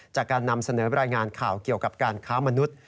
จากการนำเสนอรายงานข่าวเกี่ยวกับการค้ามนุษย์